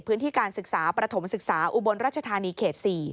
พื้นที่การศึกษาประถมศึกษาอุบลรัชธานีเขต๔